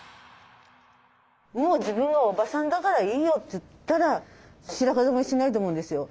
「もう自分はおばさんだからいいよ」って言ったら白髪染めしないと思うんですよ。